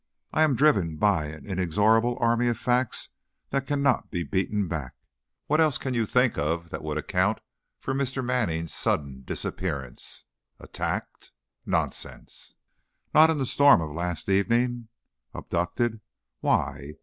I am driven by an inexorable army of facts that cannot be beaten back. What else can you think of that would account for Mr. Manning's sudden disappearance? Attacked? Nonsense! Not in the storm of last evening. Abducted? Why?